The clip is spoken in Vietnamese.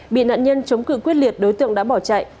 bị nạn nhân chống cử quyết liệt đối tượng đã bỏ chạy